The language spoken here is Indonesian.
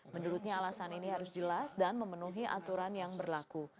menurutnya alasan ini harus jelas dan memenuhi aturan yang berlaku